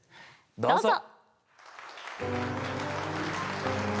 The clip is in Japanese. どうぞ！